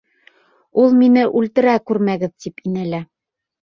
— Ул, мине үлтерә күрмәгеҙ, тип инәлә.